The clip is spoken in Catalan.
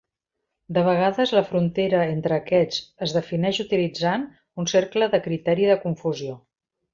De vegades la frontera entre aquests es defineix utilitzant un cercle de criteri de confusió.